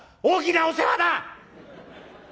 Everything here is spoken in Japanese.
「大きなお世話だ！